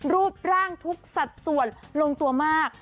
รูปร่างทุกสัดส่วนลงตัวมาก